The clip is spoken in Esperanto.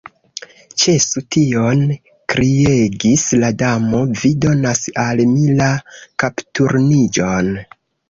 "Ĉesu tion," kriegis la Damo, "vi donas al mi la kapturniĝon!"